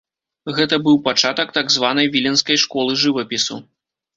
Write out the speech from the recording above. Гэта быў пачатак так званай віленскай школы жывапісу.